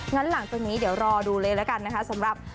หลังจากนี้เดี๋ยวรอดูเลยแล้วกันนะคะสำหรับ